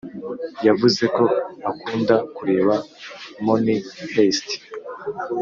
yavuze ko akunda kureba money heist